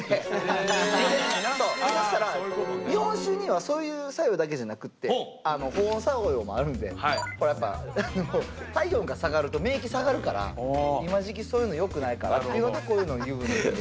そしたら日本酒にはそういう作用だけじゃなくって保温作用もあるんでやっぱ体温が下がると免疫下がるからいま時期そういうのよくないからっていうのでこういうの湯船に入れて。